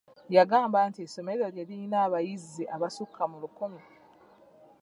Yagamba nti essomero lye lirina abayizi abasukka mu lukumi.